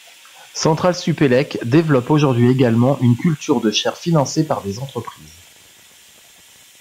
CentraleSupélec développe aujourd'hui également une culture de chaires financées par des entreprises.